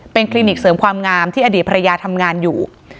คลินิกเสริมความงามที่อดีตภรรยาทำงานอยู่